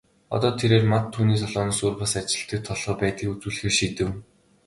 Одоо тэрээр Мад түүний толгойноос өөр бас ажилладаг толгой байдгийг үзүүлэхээр шийдэв.